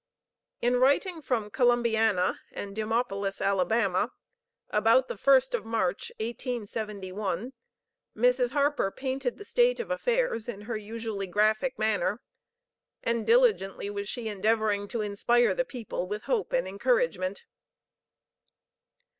In writing from Columbiana and Demopolis, Alabama, about the first of March, 1871, Mrs. Harper painted the state of affairs in her usually graphic manner, and diligently was she endeavoring to inspire the people with hope and encouragement.